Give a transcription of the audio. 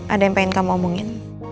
ada yang pengen kamu omongin